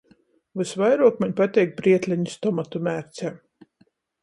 Vysvairuok maņ pateik brietlenis tomatu mērcē.